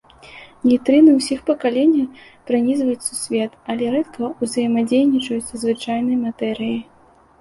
Нейтрына ўсіх пакаленняў пранізваюць сусвет, але рэдка ўзаемадзейнічаюць са звычайнай матэрыяй.